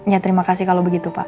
ya terima kasih kalau begitu pak